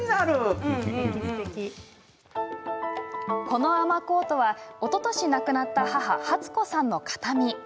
この雨コートはおととし亡くなった母はつ子さんの形見。